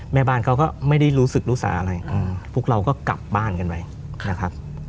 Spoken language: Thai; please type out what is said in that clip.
แม่บ้านเขาก็ไม่ได้รู้สึกรู้สาอะไรพวกเราก็กลับบ้านกันไปนะครับ